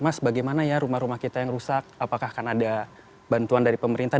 mas bagaimana ya rumah rumah kita yang rusak apakah akan ada bantuan dari pemerintah